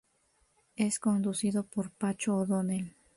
Es conducido por Pacho O'Donell.